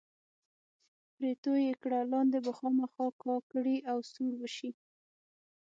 پرې توی یې کړه، لاندې به خامخا کا کړي او سوړ به شي.